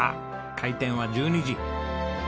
開店は１２時。